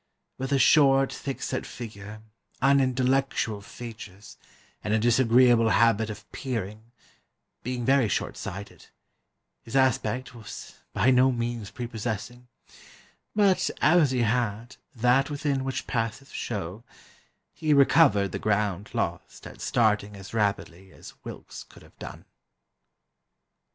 With a short thick set figure, unintellectual features, and a disagreeable habit of peering, being very short sighted, his aspect was by no means prepossessing; but as he had 'that within which passeth show,' he recovered the ground lost at starting as rapidly as Wilkes could have done."